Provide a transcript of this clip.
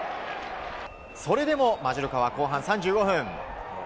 それでもマジョルカは後半３５分